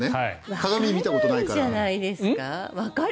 鏡を見たことないから。